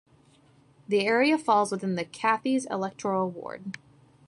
The area falls within the Cathays electoral ward.